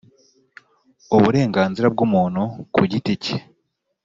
uburenganzira bw umuntu ku giti cye